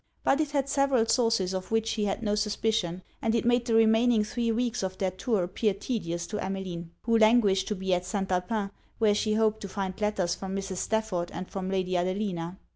But it had several sources of which he had no suspicion; and it made the remaining three weeks of their tour appear tedious to Emmeline; who languished to be at St. Alpin, where she hoped to find letters from Mrs. Stafford and from Lady Adelina.